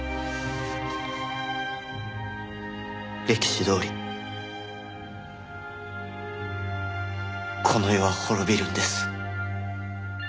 歴史どおりこの世は滅びるんです。